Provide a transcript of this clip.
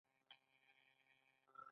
مرسته ښه ده.